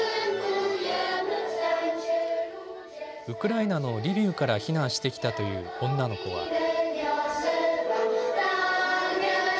ウクライナのリビウから避難してきたという女の子は。